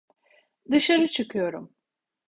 Dışarı çıkıyorum.